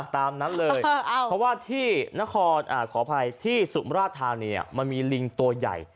ตามนั้นเลยเพราะว่าที่ขออภัยที่สุมราชธานีมันมีลิงตัวใหญ่